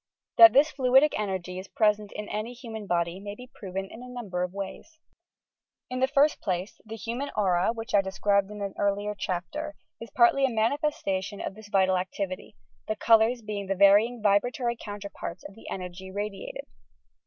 That this fluidio energy is present in any human body may be proved in a number of ways: — I THE HUMAN "FLUID" 223 Id the first place, the human aura, which I deserihed in an earlier chapter, is partly a manifestation of this vital activity, the colours being the varying vibratory counterparts of the energy radiated.